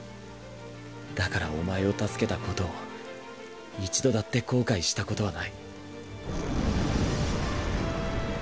だからお前を助けたことを一度だって後悔したことはない。